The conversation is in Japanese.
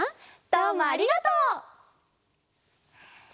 どうもありがとう。